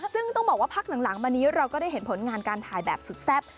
ซึ่งต้องบอกว่าพักหลังมานี้เราก็ได้เห็นผลงานการถ่ายแบบสุดแซ่บ